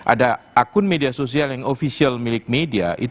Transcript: ada akun media sosial yang ofisial milik media